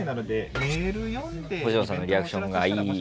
星野さんのリアクションがいい